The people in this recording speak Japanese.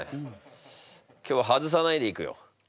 今日ハズさないでいくよ。